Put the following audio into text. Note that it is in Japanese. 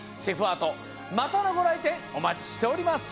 アートまたのごらいてんおまちしております。